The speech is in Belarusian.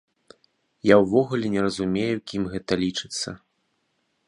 Я ўвогуле не разумею, кім гэта лічыцца.